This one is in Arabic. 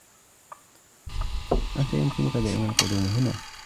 أنتَ يمكنكَ دائماً القدوم هنا.